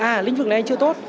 à lĩnh vực này chưa tốt